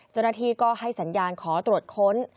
จนทีก็ให้สัญญาณขอตรวจค้น